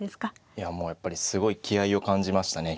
いやもうやっぱりすごい気合いを感じましたね